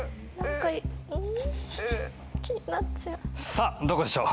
さあどこでしょう。